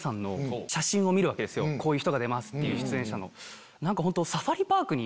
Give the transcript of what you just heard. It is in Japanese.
こういう人が出ますっていう。